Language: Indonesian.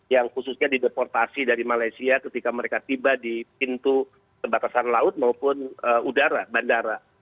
yang khususnya dideportasi dari malaysia ketika mereka tiba di pintu kebatasan laut maupun udara bandara